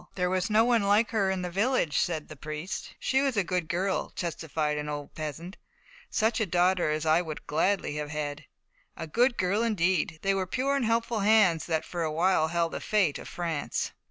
"There was no one like her in the village," said her priest. "She was a good girl," testified an old peasant, "such a daughter as I would gladly have had." A good girl, indeed: they were pure and helpful hands that for a while held the fate of France.